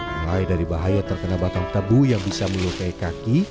mulai dari bahaya terkena batang tebu yang terlalu besar